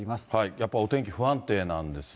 やっぱりお天気不安定なんですね。